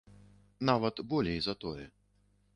Нават болей за тое.